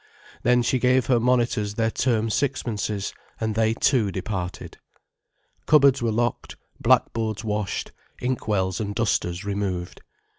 Then she gave her monitors their term sixpences, and they too departed. Cupboards were locked, blackboards washed, inkwells and dusters removed.